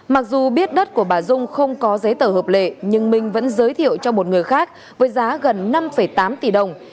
mặc dù biết đất của bà dung không có giấy tờ hợp lệ nhưng minh vẫn giới thiệu cho một người khác với giá gần năm tám tỷ đồng